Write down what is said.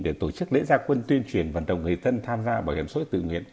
để tổ chức lễ gia quân tuyên truyền và đồng nghề tân tham gia bảo hiểm xã hội tự nguyện